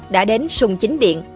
đã đến sùng chính điện